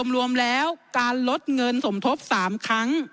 รวมแล้วการลดเงินสมทบ๓ครั้ง